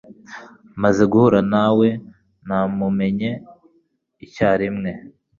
Maze guhura nawe, namumenye icyarimwe.